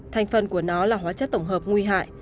thành phần của nó là hóa chất tổng hợp nguy hại